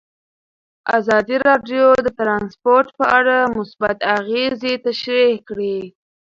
ازادي راډیو د ترانسپورټ په اړه مثبت اغېزې تشریح کړي.